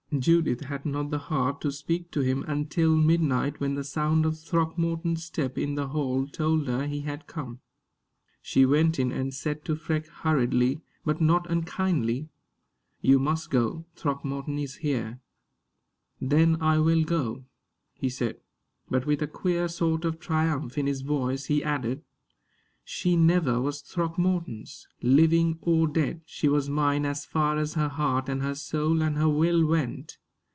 Judith had not the heart to speak to him until midnight, when the sound of Throckmorton's step in the hall told her he had come. She went in and said to Freke hurriedly, but not unkindly, "You must go Throckmorton is here." "Then I will go," he said. But with a queer sort of triumph in his voice he added: "She never was Throckmorton's, living or dead. She was mine as far as her heart and her soul and her will went."